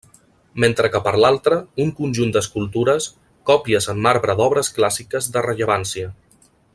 Mentre que per l’altra, un conjunt d’escultures, còpies en marbre d’obres clàssiques de rellevància.